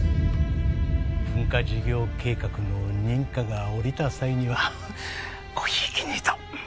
文化事業計画の認可が下りた際にはごひいきにと。